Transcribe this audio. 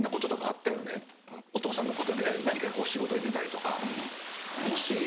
お父さんのことで何かこう仕事に出たりとか。